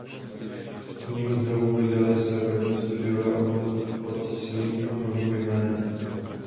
S ním znovu vydali své první studiové album pod svým novým jménem.